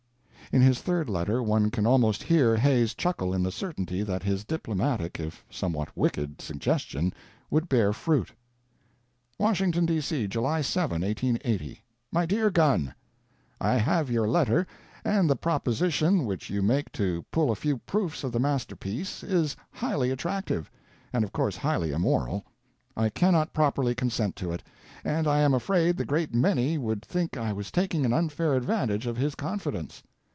In his third letter one can almost hear Hay's chuckle in the certainty that his diplomatic, if somewhat wicked, suggestion would bear fruit. Washington, D. C.July 7, 1880 My dear Gunn: I have your letter, and the proposition which you make to pull a few proofs of the masterpiece is highly attractive, and of course highly immoral. I cannot properly consent to it, and I am afraid the great many would think I was taking an unfair advantage of his confidence.